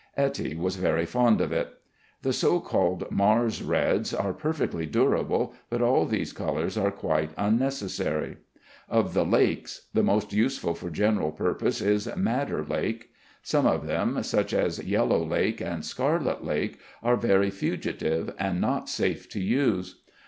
Etty was very fond of it. The so called Mars reds are perfectly durable, but all these colors are quite unnecessary. Of the lakes the most useful for general purposes is madder lake. Some of them, such as yellow lake and scarlet lake, are very fugitive and not safe to use.